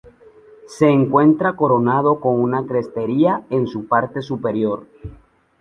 Se encuentra coronado con una crestería en su parte superior.